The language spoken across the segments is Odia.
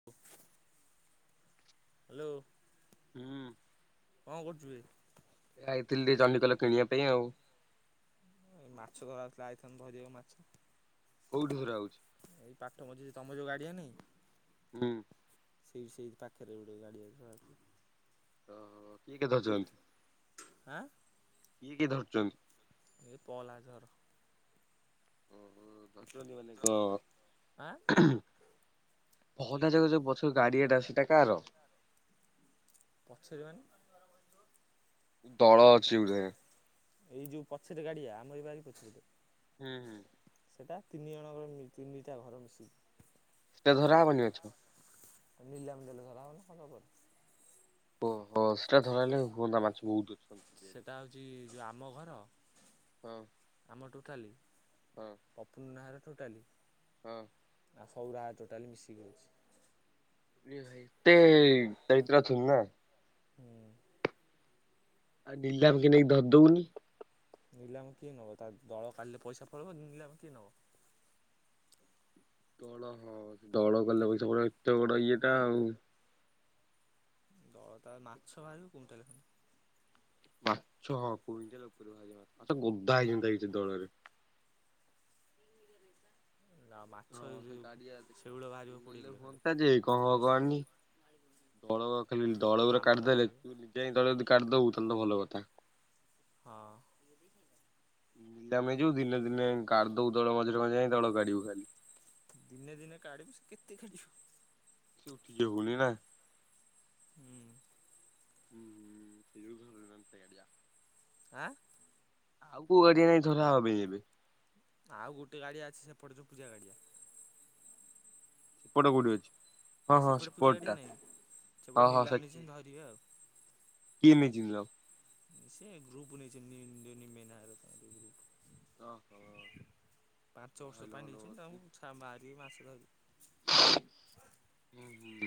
[inaudible] ହାଲୋ ହୁଁ ଉ କଣ କରୁଛୁବେ? ଏଇଥିଲି ଟକେ ଚଣ୍ଡିଖୋଲ କିଣିବା ପାଇଁ ଆଉ। ଏ ମାଛ ଧରଥିଲା ଆଇଥନ ଭରିିବାକୁ ମାଛ। କୋଉଠି ହେରା ହଉଛି? ଏଇ ପାଠ ବଝୁଛି ତମ ଯୋଉ ଗାଡିଆ ନାହିଁ? ହୁଁ ସେଇଠି ସେଇଠି ପାଖରେ ଗୋଟେ ଗାଡିଆ ତ କିଏ କିଏ ଧରୁଛନ୍ତି? ଆଁ କିଏ କିଏ ଧରୁଛନ୍ତି? ଏ ପଲାଝର। ଓ ହୋ ଆଁ ଫଗନା ଜାଗକ ଯଉ ବଛର ଗାଡ଼ିଆଟା ସେଟା ଅଛି ସେଟା କାହାର? ପଛରେ ମାନେ? ଦଳ ଅଛି ଗୁଡ଼େ। ଏଇ ଯୋଉ ପଛେଟ ଗାଡିଆ, ଆମର ଏଇ ପଛରେ ଟେ ହୁଁ ହୁଁ ସେଇଟା ତିନି ଜଣଙ୍କର, ତିନିଟା ଘର ମିଶିକି। ସେଟା ଧରା ହବନି ମାଛ? ନିଲାମ ଦେଲେ ଧରା ହବନା [unintelligible] ଓହୋ, ସେଇଟା ଧରଲେ ହୁଅନ୍ତା, ମାଛ ବହୁତ ଅଛନ୍ତି। ସେଟା ହେଉଛି ଯେଉଁ ଆମ ଘର କହ ଆମର ଟୋଟାଲି ହଁ ଅଁ ପପୁନନା ଘର ଟୋଟାଲି। ହଁ ଅଁ ଆଉ [unintelligible] ତାହାଲେ ମିଶିକି ହୋଉଛି। ରେ ଭାଇ ଏତେ ଅଛନ୍ତି ନା? ହୁଁ ଉଁ ଆଉ [unintelligible] ଦଉନି। ନିଲାମ କିଏ ନେବ, ତା ଦଳ କାଢ଼ିଲେ ପଇସା ପାଇବ ନିଲାମ କିଏ ନବ? ଦଳ ହଁ ଦଳ ଗଲେ [unintelligible] ଏତେ ବଡ ଇଏଟା ଆଉ। ଦଳତା ମାଛ ବାହାରିବ କୁଇଂଟାଲ ଖଣ୍ଡେ। ମାଛ ହଁ କୁଇଣ୍ଟାଲ ଉପରେ ବାହାରିବା ମାଛ ଗଦା ହେଇଛନ୍ତି ସେ ଦଳରେ। ଆଉ ମାଛ ହଁ ଏ ସେ ଯୋଉ ଗାଡ଼ିଆ ରେ ଶେଉଳ ବାହାରିବ କୋଡ଼ିଏ ନେଲେ କିଲୋ ଖଣ୍ଡେ ହୁଅନ୍ତା ଯେ କଣ ହବ ତିରିଶ କହନି। କିଲୋ ଦଳ ଖାଲି ଦଳ ଗୁଡା ଆମ କାଢିଦେଲେ ରଖିବେ ତୁ ଜେ ଦଳ ଗୁଡ଼ା କାଢିଦବୁ ତାହେଲେ ତ ଭଲ କଥା। ହଁ। ଯଦି ଆମେ ଯିବୁ ଦିନେ ଦି ଦିନେ କାଢି ଦଉ ଦଳ ମଝିରେ କି ମଝିରେ ଯାଇ ଦଳ କାଢିବୁ ଖାଲି। ଦିନେ ଦିନେ କାଢ଼ିବୁ ଯେ କେତେ କାଢ଼ିବୁ। ଥିବୁ କି ନା। ହୁଁ। ଉୁଁ ଏଇ ଯୋଉ ଘର ନାମ ତେୟାଡ଼ିଆ। ଆଁ। ଆଉ କୋଉ ଗାଡିଆ ରେ ହେଇଥିବ [unintelligible] ଏବେ? ଆଉ ଗୋଟେ ଗାଡିଆ ଅଛି ସେପଟେ ଯୋଉ ପୂଜା ଗାଡିଆ। ସେପଟେ କୋଉଠି ଅଛି? ହଁ ଆ ହଁ ସେପଟେ ପୂଜା ଗାଡ଼ିଆ ସେପଟଟା ନାଇଁ ସେପଟେ ହଁ ହଁ ନିଲାମ ସେଠି ନେଇଛନ୍ତି ଧରିବେ ଆଉ। କିଏ ନେଇ ଥିବେ ଆଉ। ସେ ଗ୍ରୁପ୍ ଲନେଇଚ଼ନି ମେନି ମେନ୍ହାର ଗ୍ରୁପୁ [unintelligible] ଅହ ଧଇଲ ଭଲ ହୁଅତି। ତା ମାରି ମାସେ ରହିବି। ଉୁଁ ହୁଁ।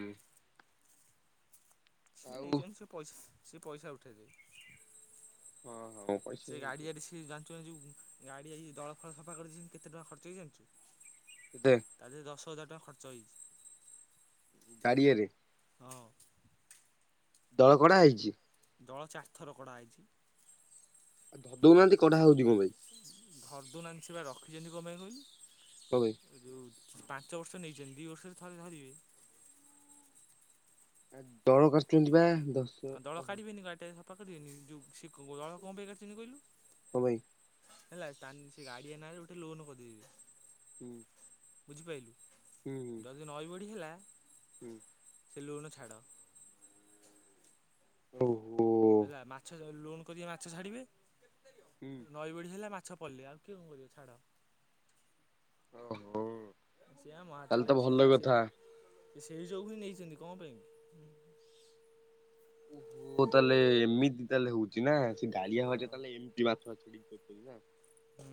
ସେ ଆଉ ନେଇଚ଼ନ୍ତି ସେ ପଇ ପଇସା ଉଠେଇଦେବେ। ହଁ ହଉ। ସେ ଗାଡିଆରେ ସିଏ ଜାନ୍ ଚୁଆଁ ଯୋଉ ଗାଡି ଆଜି ଦଳ ଫଳ ସଫା କରିଛନ୍ତି କେତେ ଟଙ୍କା ଖର୍ଚ୍ଚ ହେଇ ଜାନିଚୁ? କେତେ? ତାଧିରେ ଦଶ ହଜାର ଟଙ୍କା ଖର୍ଚ୍ଚ ହେଇଚ଼ି। ଗାଡ଼ିଆରେ? ହଁ। ଦଳ କଢା ହେଇଚ଼ି? ଦଳ ଚାରି ଥର କଢା ହେଇଚ଼ି। ଆଉ ଧରି ଦଉନାଆନ୍ତି କଢା ହଉଚ଼ି କଁ ପାଇଁ? ଧର୍ ଦଉନାହାନ୍ତି ସେ ବା ରଖିଚ଼ନ୍ତି କଁ ପାଇଁ କଇଲୁ? କଣ ପାଇଁ? ଏ ଯୋଉ ପାଞ୍ଚ ବର୍ଷ ନେଇଚ଼ନ୍ତି ଦି ବର୍ଷରେ ଥରେ ଧରିବେ। ଆ ଦଳ କରଚ଼ନ୍ତି ବା ଦଶ୍ ଆଁ ଦଳ କାଢିବେନି ଗାଡିଟା ସଫା କାରିବେନି ଯୋଉ ସେ ଦଳ କଁ ପାଇଁ କାଢିଛନ୍ତି କହିଲୁ? କଣ ପାଇଁ। ହେଲା ତାନ୍ ସେ ଗାଡିଆ ନାରେ ଗୋଟେ ଲୋନ କରିଦେବେ। ଉୁଁ। ବୁଝିପାଇଲୁ ଯଦି ନଈ ବଡ଼ି ହେଲା ହୁଁ ସେ ଲୋନ ଛାଡ଼। ଓହୋ। ହେଲା ମାଛ ଧ ଲୋନ୍ କରିବେ ମାଛ ଛାଡିବେ ହୁଁ ନଈ ବଢି ହେଲା ମାଛ ପଳେଇଲେ ଆଉ। କିଏ କଁ କରିବ ଛାଡ଼। ଅ ହୋ। ସେଆ ମହା ଚାଲାଖି ଲାଗି ସେ ପା ସେ ଏ ସେଇ ଯୋଗୁ ହିଁ ନେଇଚ଼ନ୍ତି କଁ ପାଇଁଁ? ଓହୋ ତାହେଲେ ଏମିତି ତାହେଲେ ହଉଚ଼ି ନା ସେ ଗାଳିଆ ହଁ ଭାରଜା ତାହେଲେ ଏମିତି ମାଛ ଛାଡି [unintelligible] କରିବା। ହୁଁ।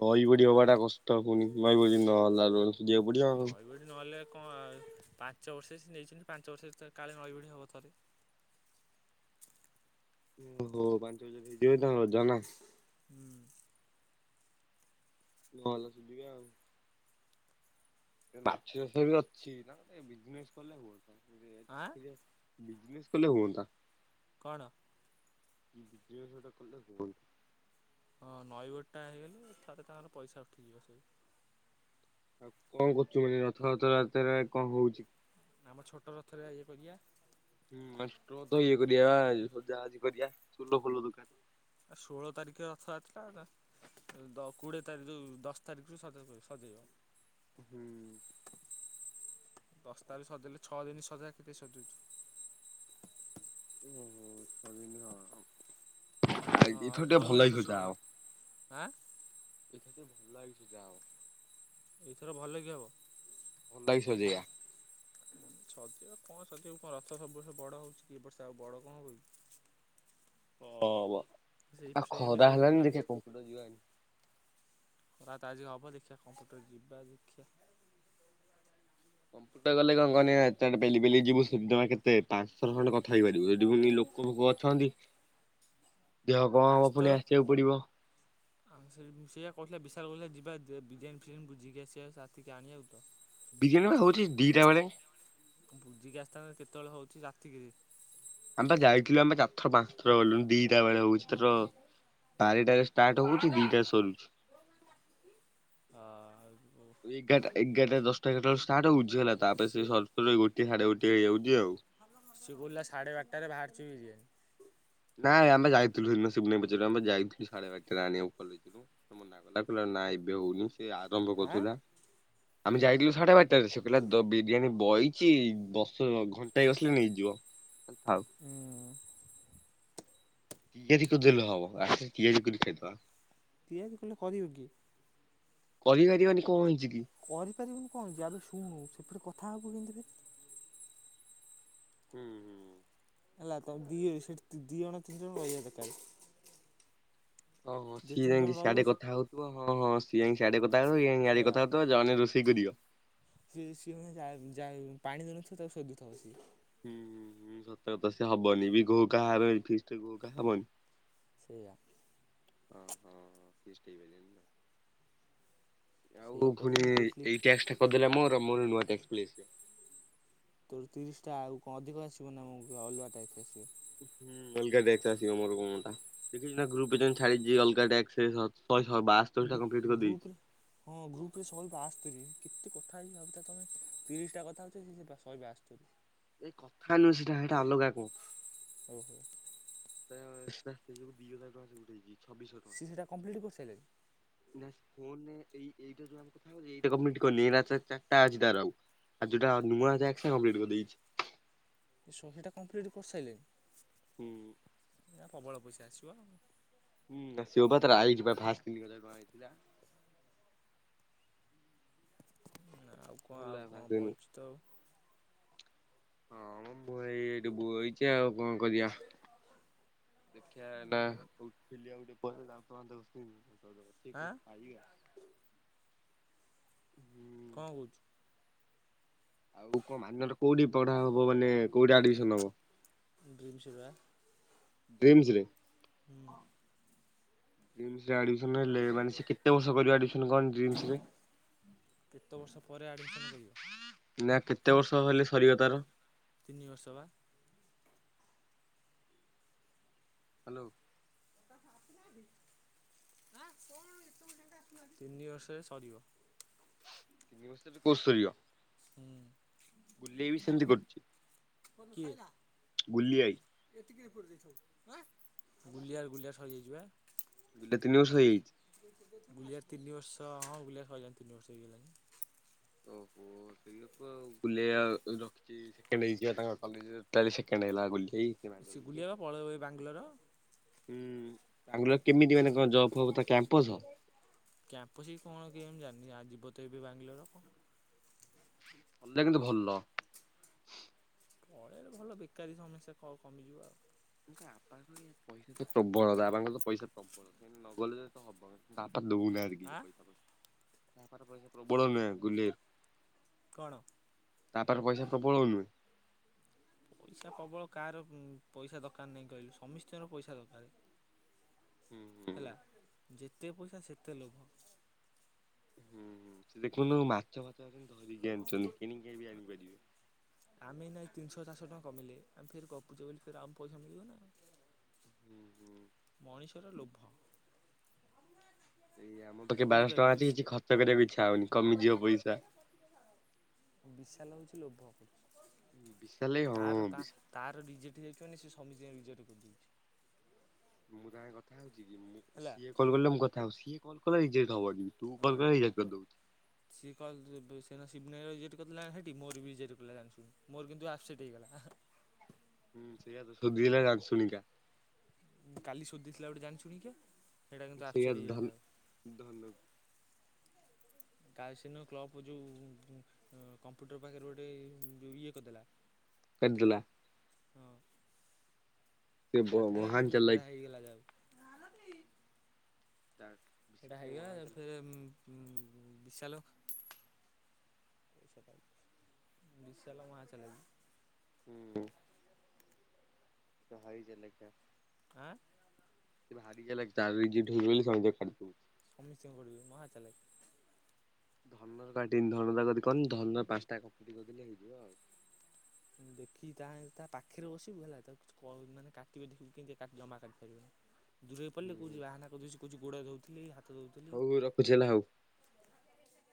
ନଈ ବଢି ହବାଟା କଷ୍ଟ ପୁଣି ନଈ ବଡ଼ି ନ ହେଲା ଲୋନ ସୁଜିବାକୁ ପଡ଼ିବ ଆଉ। ଯୋଉଠି ନହେଲେ କଁ ପାଞ୍ଚ ବର୍ଷ ସେ ନେଇଚ଼ନ୍ତି ପାଞ୍ଚ ବର୍ଷରେ ଥରେ କାଳେ ନଈ ବଡ଼ି ହବ ଥରେ। ଓଃ ହୋ ପାଞ୍ଚ ବ [unintelligible] ହେଇଥିବ ରଜ ନା। ହୁଁ। ନହେଲେ ସୁଜିବା ଆଉ। ମାଛ ଚାଷ ବି ଅଛି ନା ବିଜନେସ୍ କଲେ ହୁଅନ୍ତା। ଆଁ [unintelligible] ବିଜନେସ୍ କଲେ ହୁଅନ୍ତା। କଣ? ବିଜିନେସ୍ ଟା କଲେ ହୁଅ ହଁ ନଈବଢି଼ ଟା ହେଇଗଲେ ଥରେ ତାଙ୍କର ପଇସା ଉଠିଯିବ ସବୁ। ଆଉ କଣ କରୁଚୁ ମାନେ ରଥଯାତରା ରେ କଣ ହଉଚ଼ି? ନା ଆମ ଛୋଟ ରଥରେ ଇଏ କରିବା ହୁଁ ଷ୍ଟ ତ ଇଏ କରିବା ସଜାଜି କରିବା ସୁଲ ଫୁଲ ଦରକାର ଆଉ ଷୋହଳ ତାରିଖ ରଥଯାତ୍ରା କୋଡିଏ ତାରିଖ ଦଶ ତାରିଖରୁ ସଜ ସଜେଇଯଉ ହୁଁ। ଦଶ ତାରିଖ ସଜେଇଲେ ଛଅ ଦିନ ସଜା କେତେ ସଜୁଛୁ [unintelligible] ହଁ ଏଥର ଏଠି ଟିକେ ଜୋରରେ ଭଲ କ ହେଇସ ଯା ଆଉ ଶୁଭୁନି ଆଁ ଏଥର ଟିକେ ଭଲ ହେଇସା ଆଉ ଏଇଥର ଭଲ କି ହବ? [unintelligible] ସଜିବା କଣ ସଜିବା କଣ ରଥ ସବୁ ବର୍ଷ ବଡ଼ ହେଉଛି କି ବର୍ଷେ ଆଉ ବଡ଼ କଣ ହଉଛି କି? ଓ ସେଇ ଆଉ ଫ୍ରେମ୍ ଖରା ସେମିତି ହେଲାନି ଖାଲି ଦେଖିବା କମ୍ପୁଟର ଯିବା ଏଇନା। ଖରା ତ ଆଜି ହବ ଦେଖିବା କମ୍ପ୍ୟୁଟର ଯିବା ଦେଖିବା। କମ୍ପ୍ୟୁଟର ଗଲେ କଣ କହନି ଏତେ ବାଟ ପେଲି ପେଲି ଯିବୁ ସେଠି ଜମା କେତ ପାଞ୍ଚ ଥର ଖଣ୍ଡେ କଥା ହେଇପାରିବୁ ସେଠି ପୁଣି ଲୋକ ପୋକ ଅଛନ୍ତି [inaudible] ଦେହ କଣ ହବ ପୁଣି ଆସିବାକୁ ପଡିବ [inaudible] ଆଁ ସେ ସେଇଆ କହିଥିଲା ବିଶାଳ କହୁଥିଲା ଯିବା ବିରିୟାନୀ ଫିରିୟାନୀ ବୁଝିକି ଆସିବା ସେ ଆସିଛି ଆଣିବାକୁ ତ ବିରିୟାନୀ ପରା ହେଉଛି ଦୁଇଟା ବେଳେ। ବୁଝିକି ଆସିଥାନ୍ତେ କେତେବେଳେ ହଉଛି ରାତିକି ଆମେ ପା ଯାଇଥିଲୁ ଆମେ ଚାରି ଥର ପାଞ୍ଚ ଥର ଗଲୁଣି ଦିଟା ବେଳେ ହଉଛି ତର ବାରେଟାରେ ଷ୍ଟାର୍ଟ ହଉଛି ଦିଇଟା ରେ ସରୁଛି। ଆ ଏଗାରଟା ଏଗାରଟା ଦଶଟା ଏଗାରଟା ବେଳକୁ ଷ୍ଟାର୍ଟ ହଉଛି ହେଲା ତାପରେ ସରୁ ସିଏ ସରୁ ଗୋଟେ, ସାଢ଼େ ଗୋଟେ ହେଇଯାଉଛି ଆଉ। ସିଏ କହୁଥିଲା ସାଢ଼େ ବାରଟା ରେ ବାହାରୁଛି ବିରିଆନୀ। ନାଇଁ ଆମେ ଯାଇଥିଲୁ ସେ ଦିନ‌ ଶିବୁନା ଭାଇ କୁ ପଚାରିବୁ ଆମ ପା ଯାଇଥିଲୁ ସାଢ଼େ ବାରଟା ରେ ଆଣିବାକୁ କଲେଜ ରୁ। ସିଏ ମନା କଲା କହିଲା ଏବେ ସେ ଆରମ୍ଭ ଆଁ କରୁଥିଲା। ଆମେ ଯାଇଥିଲୁ ସାଢ଼େ ବାରଟାରେ ସେ କହିଲା ବିରିୟାନୀ ବଇଛି ବସ ଘଣ୍ଟାଏ ବସିଲେ ହେଇଯିବ। ତାହାଲେ ଥାଉ। ହୁଁ। [unintelligible] ତିଆରି କଲେ କରିବ କିଏ? କରି ପାରିବାନି କଣ ହେଇଛି କି? କରିପାରିବୁନି କଣ ହେଇଛି ଆଡ଼େ ଶୁଣୁ ସେପଟେ କଥା ହେବୁ କିନ୍ତି ଫେରେ? ହୁଁ ହେଲା ତମେ [unintelligible] ଦି ଜଣ ତିନି ଜଣ ରହିବା ଦରକାର। ଓହୋଃ ଦି ସିଏ ତିନି ଜଣ ଯାଇକି ରହିବ ସିଆଡ଼େ ସେ କଥା ହଉ ହଁ ହଁ [unintelligible] ଜଣେ ରୋଷେଇ କରିବ। ସେଏ ସିଏ ମାନେ ଯ ଯାହା ପାଣି ଦ ନଥିବ ତାକୁ ସୋଧୁଥିବ ସିଏ ହୁଁ ହୁଁ ହୁଁ ସତ କଥା ସିଏ ହବନି ବି ଘୋ ଘା ରେ ହେବ ଫିଷ୍ଟ୍ ଘୋ ଘା ହବନି? ସେଇଆ। ହଁ ହଁ ଫିଷ୍ଟ ଆଉ ସେଇଆ ପୁଣି କହୁଥିଲି ମୁଁ କହୁଥିଲି ଏଇ ଟ୍ୟାକ୍ସ କରିଦେଲା ମୋର ମୋର ନୂଆ ଟ୍ୟାକ୍ସ ପଳେଇ ଆସ ତୋର ତିରିଶଟା ଆଉ କଣ ଅଧିକ ଆସିବ ନା ଆମକୁ ଅଲୁଆ ଟାଇପ ଆସିବ। ହୁଁ ଅଲଗା ଦେଖଥା ସିବ ମୋର ମୋଟା ଦେଖିଛ ନା ଗ୍ରୁପେ ଛାଡ଼ି ଅଲଗକାଟା ଶ ଶହ ବା ଗୁପ ଗ୍ରୁପରେ। ହଁ ଗ୍ରୁପରେ ଶହେ ବାସ୍ତସ୍ତୋରୀ କେତେ କଥା ହେଇଛି ଭାବୁଛ ତମେ ତିରିଶଟା କଥା ହେଉଛ ସେ ଶହେ ବସସ୍ତୋରି। ଏଇ କଥା ନୁହେଁ ସେଇଟା ସେଇଟା ଅଲଗା କଣ ଓହୋ। [unintelligible] ଦି ହଜାର ଟଙ୍କା ସଟ ହେଇ ଛବିଶ ସେଇଟା କମ୍ପ୍ଲିଟ୍ କରିସାରିଲେଣି ଟଙ୍କା। [unintelligible] ଫୋନରେ ଏଇ ଏଇଟା ଯୋଉ ଆମେ କଥା ହଉଚେ ଏଇଟା କମେଣ୍ଟ କଲି ଏଟା ଚାରିଟା ଅଛି ତାର ଆଉ। ଆଉ ଯୋଉଟା ନୂଆ ଟାସ୍କ ସେରା କଂପ୍ଲିଟ୍ କରିଦେଇଛି। ଶହେଟା କଂପ୍ଲିଟ୍ କରିସାରିଲେଣି। ହୁଁ। ନା ପ୍ରବଳ ପଇସା ଆସିବ ଆଉ। ହୁଁ ଆସିବ ବା ତାର ଆଇଚି ବା ଫାଷ୍ଟ ତିନି ହଜାର ଟଙ୍କା ଆଇଥିଲା। ଆଉ କଁ ହେଲା ଆଉ ଫାଷ୍ଟ କଁ ପେମେଣ୍ଟ। ବଇଚି ତ ଆଉ। ହଁ ମ ମୁଁ ଏଇ ଏଇଠି ବଇଚି ଆଉ କଁ କରିବା। ଦେଖିବା ଏଇ ନା ବୁଲିବାକୁ ଯିବୁ କୁଆଡେ ଟିକେ ଦାନ୍ତ ୱାନ୍ତ ଆଁ ଘସିଦେବି। [unintelligible] କଣ କହୁଛୁ। ଆଉ କଣ ମାନ୍ୟ କୋଉଠି ପଢା ହବ ମାନେ କୋଉଠି ଆଡମିସନ ହବ। ଡ୍ରିମ୍ସ ରେ ବା। ଡ୍ରିମ୍ସରେ। ହୁଁ ଡ୍ରିମ୍ସରେ ଆଡମିଶନ୍ ହେଲେ ମାନେ ସେ କେତେ ବର୍ଷ କରିବ ଆଡମିଶନ୍ କଣ ଡ୍ରିମ୍ସରେ। କେତେ ବର୍ଷ ପରେ ଆଡ଼ମିସନ୍ କରିବ। ନା କେତେ ବର୍ଷ ହେଲେ ସରିବ ତାର। ତିନି ବର୍ଷ ବା। ହ୍ୟାଲୋ। ତିନି ବର୍ଷରେ ସରିବ। ତିନି ବର୍ଷ ରେ କୋର୍ସ୍ ସରିବ ହୁଁ ଗୁଲିଆ ବି ସେମିତି କରୁଛି। କିଏ? ଗୁଲି ଆଇ ଗୁଲିଆର ଗୁଲିଆ ସରିଯାଇଛି ବା। ଏଇଟା ତିନି ବର୍ଷ ହେଇଯାଇଛି। ଗୁଲିଆ ତିନ ବର୍ଷ ହଁ ଗୁଲିଆ ସଇଲାଣି ତିନ ବର୍ଷ ହେଇଗଲାଣି। ଓହୋ ସେ ଗୁଲିଆ ରଖିଚି ସେକେଣ୍ଡ ହେଇଛି ବା ତାଙ୍କ କଲେଜରେ ତାହାଲେ ସେକେଣ୍ଡ ହେଲା ଗୁଲେଇ ହୁଁ ସେ ଗୁଲିଆ ବା ପଳେଇବ ଏ ବାଙ୍ଗାଲୋର। ହୁଁ ବାଙ୍ଗାଲୋର କେମିତି ମାନେ କଣ ଜବ ଫବ ତା କ୍ୟାମ୍ପସ। କ୍ୟାମ୍ପସ କି କଣ କେଜାଣି ମୁଁ ଜାଣିନି ଆ ଯିବ ତ ଏବେ ବାଙ୍ଗାଲୋର ଗଲେ କିନ୍ତୁ ଭଲ। ପଳେଇଲେ ଭଲ ବେକାରୀ ସମସ୍ୟା କ କମିଯିବ ଆଉ। ଆପଣଙ୍କର ତ ଏଇ ପଇସା ପ୍ରବଳତା ଆପଣଙ୍କର ତ ପଇସା ପ୍ରବଳକି ନ ଗଲେ ତ ହବ। ତା ବାପା ଦଉ ନାହାନ୍ତି କିଛି ଆଁ ପଇସା ତା ବାପାର ପଇସା ପ୍ରବଳ ନୁହେଁ ଗୁଲେଇର କଣ? ତା ବାପାର ପଇସା ପ୍ରବଳ ନୁହେଁ। ପଇସା ପ୍ରବଳ କାହାର ପଇସା ଦରକାର ନାହିଁ କହିଲେ ସମସ୍ତଙ୍କର ପଇସା ଦରକାର। ହୁଁ ହୁଁ। ହେଲା ଯେତେ ପଇସା ସେତେ ଲୋଭ। ହୁଁ ହୁଁ ସେ ଦେଖନ୍ତୁ ମାଛ ଫାଛ ଧରିକି ଆଣିଛନ୍ତି କିଣିକି ବି ଆଣିପାରିବେ। ଆମେ ନାଇଁ ତିନିଶହ ଚାରିଶହ ଟଙ୍କା କମେଇଲେ ଆମେ ଫିର୍ ଗପୁଚେ ବୋଲି ଫିର୍ ଆମକୁ ପଇସା ମିଳିବ ନା ଆଉ। [inaudible] ମଣିଷର ଲୋଭ। ଏଇ ଆମ ପାଖେ ବାରଶହ ଟଙ୍କା ବୁଝିପାରିଲୁ ଅଛି ବିଶା କିଛି ଖର୍ଚ କରିବାକୁ ଇଚ୍ଛା ହଉନି କମିଯିବ ପଇସା। ବିଶାଲ ହଉଛି ଲୋଭ କରୁଚି ବିଶାଲ ଭାଇ ହଁ ତାର ତା ବିଶାଲ ତାର ରିଜେକ୍ଟ ହେଇଯାଇଚି ମାନେ ସେ ସମିତିଙ୍କ ରିଯେକ୍ଟ କରିଦେଇଛି। ମୁଁ ତା ସାଙ୍ଗେ କଥା ହଉଛି କି ମୁଁ ହେଲା ସିଏ କଲ୍ କଲେ ମୁଁ କଥା ହଉଛି ସିଏ କଲ୍ କଲେ ରିଜେକ୍ଟ୍ ହବନି। ତୁ କଲ ହଁ। କଲେ ରିଯେକ୍ଟ୍ କରିଦେଉଛି। ସିଏ କଲ ସେନା ସିବୁନାର ରେଜେକ୍ଟ କରିଦେଲା ସେଠି ମୋର ବି ରେଜେକ୍ଟ୍ କଲା ଜାଣି ଶୁଣି। ମୋର କିନ୍ତୁ ଆପସେଟ୍ ହେଇଗଲା। ହୁଁ ସେଇଆ ତ ସୋଧିଲା ଜାଣି ଶୁଣିକା। କାଲି ସୋଧିଥିଲା ଗୋଟେ ଜାଣିଛୁଣିକା। ସେଇୟା ଧନ୍ ଧନ କାଲି ସେଦିନ କ୍ଲୁବ୍ କୁ ଯୋଉ ହଁ କମ୍ପ୍ୟୁଟର ପାଖରେ ଗୋଟେ ଯୋଉ ଇଏ କରିଦେଲା କରିଦେଲା କାଟିଦେଲା ହଁ। ସେ ବ କାଟିଦେ ମହାନ କିନ୍ତୁ ଚାଲାକ୍ ସେଇଟା ହେଇଗଲା ଯାହାହଉ। [unintelligible] ସେଟା ମହାନ ହେଇଗଲା ତ ଚାଲାକ୍ ଫିର୍ ବିଶାଲୋ। ବିଶାଲା ମା ଚାଲି [unintelligible] ତ ହାଇଜିନିକି। ଆଁ ଭାରିଚାଳକ ତାର ରିଜିକ୍ଟ ହଉଚି ବୋଲି ସମସ୍ତଙ୍କର କାଟିଦଉଚି। ସମସ୍ତିକର କାଟିଦଉଚି ମହା ଚାଳକ। ଧନର କାଟିି ଧନ ଦ କରିଦ କନି ଧନର ପାଞ୍ଚଟା କପୁଟି କରିଦେଲେ ହେଇଯିବ। ଆଉ। [inaudible] ଦେଖି ତା ତା ପାଖରେ ବସିବୁ ହେଲାକୁ ମାନେ କାଟିବ ଦେଖିବୁ କେମିତି କା ଜମା କାଟିପାରିବନି। ଦୂରେଇ ହୁଁ ପଡିଲେ ହୁଁ କୋଉଚି ବାହାନା କରିଦେଉଛି ଗୋଡ ଧଉଥିଲି ହା ହଉ ରଖୁଛି ହେଲା ହଉ।